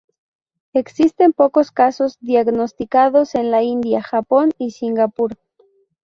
Existen pocos casos diagnosticados en la India, Japón y Singapur.